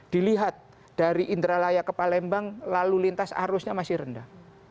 dilihat dari indralaya ke palembang lalu lintas arusnya masih rendah